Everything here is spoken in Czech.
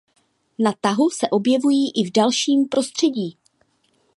Na tahu se objevují i v dalším prostředí.